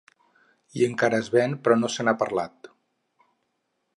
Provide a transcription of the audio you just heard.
I encara es ven però no se n’ha parlat.